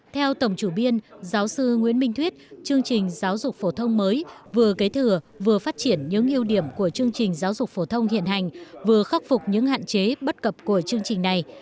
theo tổng chủ biên giáo sư nguyễn minh thuyết chương trình giáo dục phổ thông mới vừa kế thừa vừa phát triển những ưu điểm của chương trình giáo dục phổ thông hiện hành vừa khắc phục những hạn chế bất cập của chương trình này